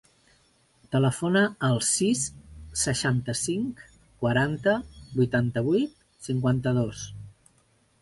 Telefona al sis, seixanta-cinc, quaranta, vuitanta-vuit, cinquanta-dos.